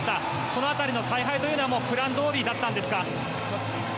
その辺りの采配というのはプランどおりだったんですか？